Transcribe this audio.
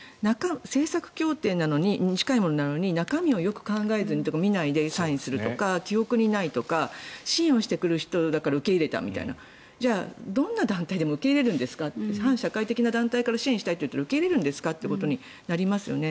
政策協定に近いものなのに中身をよく考えずにとか見ないでサインするとか記憶にないとか支援してくれる人だから受け入れたとかじゃあ、どんな団体でも受け入れるんですか反社会的な団体から支援したいと言われて受け入れるんですかとなりますよね。